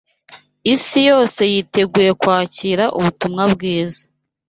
Isi yose yiteguye kwakira ubutumwa bwiza